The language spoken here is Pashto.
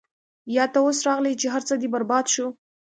يا تۀ اوس راغلې چې هر څۀ دې برباد شو -